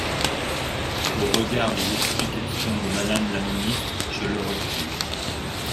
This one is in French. Au regard des explications de Madame la ministre, je le retire.